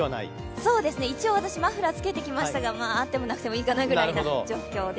そうですね、一応マフラーつけてきましたがあってもなくてもいいかなぐらいな状況です。